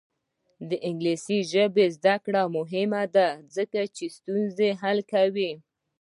د انګلیسي ژبې زده کړه مهمه ده ځکه چې ستونزې حل کوي.